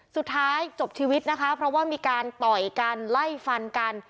สุดท้ายจบชีวิตนะคะเพราะว่ามีการต่อยกันไล่ฟันกัน